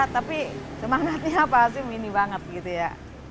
tapi semangatnya pak rasim ini banget gitu ya